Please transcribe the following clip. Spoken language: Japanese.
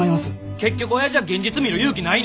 結局おやじは現実見る勇気ないねん。